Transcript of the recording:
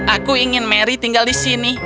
aku ingin mary tinggal di sini